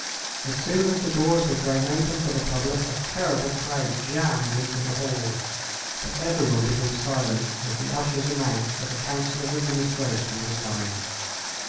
As soon as the doors were thrown open for the public a terrible crowd jammed into the hall. But everyone became silent as the ushers announced that the Council of Administration was coming.